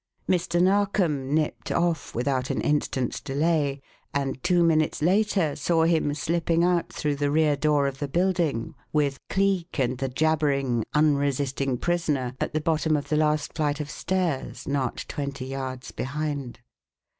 Mr. Narkom "nipped off" without an instant's delay, and two minutes later saw him slipping out through the rear door of the building with Cleek and the jabbering, unresisting prisoner at the bottom of the last flight of stairs not twenty yards behind.